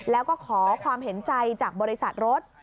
แล้วก็ขอความเห็นใจจากบริษัทรถ